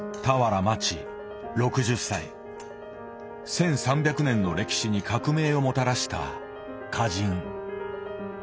１，３００年の歴史に革命をもたらした歌人。